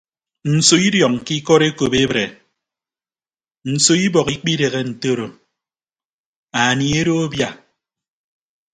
Nso idiọñ ke ikọd ekop ebre nso ibọk ikpidehe ntoro anie edo abia.